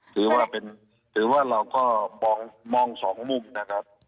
ถือว่าเราก็มองสองมุมนะครับ